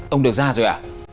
ông được ra rồi à